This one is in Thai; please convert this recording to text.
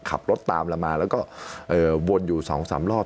ขับรถตามเรามาแล้วก็วนอยู่๒๓รอบ